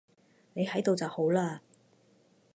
你喺度就好喇